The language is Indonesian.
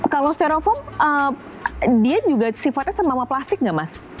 kalau serofoam dia juga sifatnya sama sama plastik nggak mas